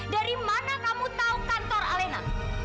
dari mana kamu tahu kantor alena